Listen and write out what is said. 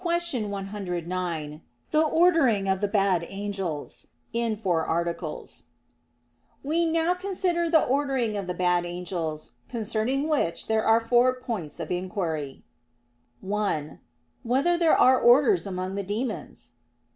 _______________________ QUESTION 109 THE ORDERING OF THE BAD ANGELS (In Four Articles) We now consider the ordering of the bad angels; concerning which there are four points of inquiry: (1) Whether there are orders among the demons?